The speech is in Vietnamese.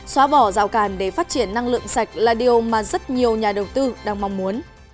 xóa bỏ rào cản để phát triển năng lượng sạch là điều mà rất nhiều nhà đầu tư đang mong muốn